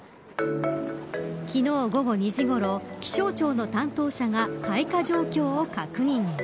昨日午後２時ごろ気象庁の担当者が開花状況を確認。